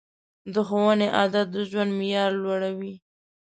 د ښوونې عادت د ژوند معیار لوړوي.